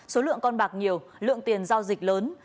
số lượng con bạc nhiều lượng tiền giao dịch lớn